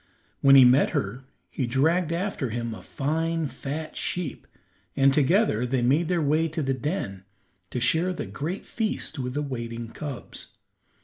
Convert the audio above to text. When he met her he dragged after him a fine, fat sheep, and together they made their way to the den to share the great feast with the waiting cubs.